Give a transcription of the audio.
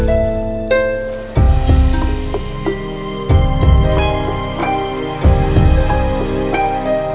aduh aduh tunggu aja aduh